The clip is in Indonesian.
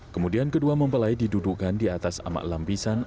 kemudian kedua mempelai didudukan di atas amak lampisan